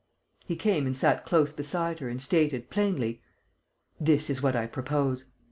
He came and sat close beside her and stated, plainly: "This is what I propose